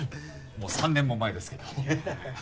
もう３年も前ですけど。